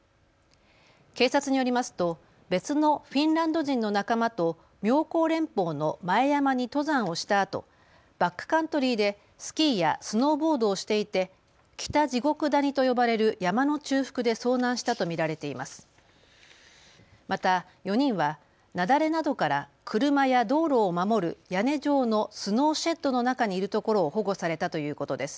警察によりますと別のフィンランド人の仲間と妙高連峰の前山に登山をしたあとバックカントリーでスキーやスノーボードをしていて北地獄谷と呼ばれる山の中腹で遭難したと見られています。